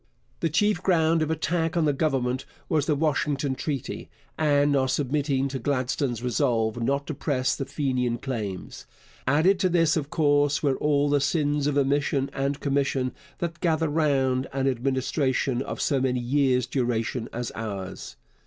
The chief ground of attack on the Government was the Washington Treaty, and our submitting to Gladstone's resolve not to press the Fenian claims. Added to this, of course, were all the sins of omission and commission that gather round an administration of so many years' duration as ours.